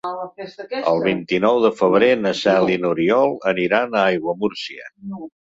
El vint-i-nou de febrer na Cel i n'Oriol aniran a Aiguamúrcia.